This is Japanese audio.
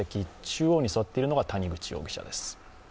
中央に座っているのが谷口容疑者です。